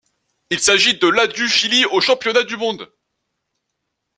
Il s'agit de la du Chili aux Championnats du monde.